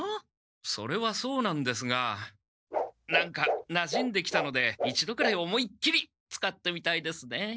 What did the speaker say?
それはそうなんですが何かなじんできたので一度くらい思いっきり使ってみたいですね。